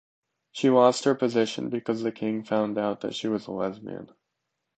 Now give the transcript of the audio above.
She lost her position because the king found out that she was a lesbian.